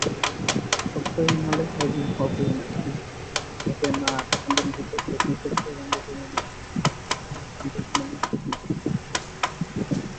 Software মালিকানাধীন হবে নাকি হবে না এমন বিতর্ক ফ্রি সফটওয়্যার আন্দোলনের নামে এখনও চলছে।